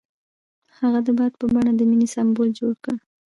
هغه د باد په بڼه د مینې سمبول جوړ کړ.